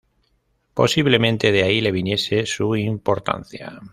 Posiblemente de ahí le viniese su importancia.